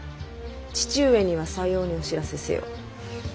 父上にはさようにお知らせせよ。